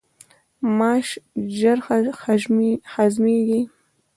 ماش ژر هضمیږي.